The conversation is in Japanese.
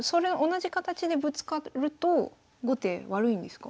同じ形でぶつかると後手悪いんですか？